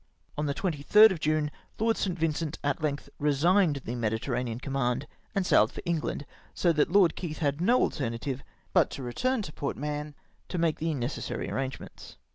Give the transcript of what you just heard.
On the 23rd of June, Lord St. Vincent at length resigned the Mediterranean com mand and sailed for England, so that Lord Keith had no alternative but to return to Port j\Ialion to make the necessary arrangements.